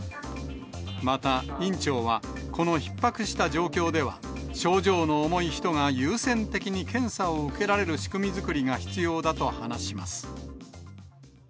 また、院長はこのひっ迫した状況では、症状の重い人が優先的に検査を受けられる仕組み作りが必要だと話します。